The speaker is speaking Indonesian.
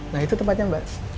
nah itu tempatnya mbak